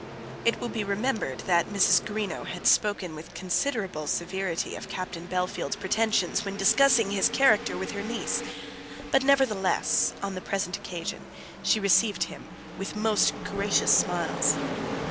It will be remembered that Mrs. Greenow had spoken with considerable severity of Captain Bellfield's pretensions when discussing his character with her niece; but, nevertheless, on the present occasion she received him with most gracious smiles.